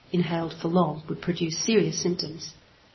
inhaled for long would produce serious symptoms.